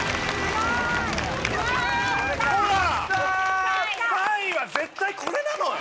ほら３位は絶対これなのよ！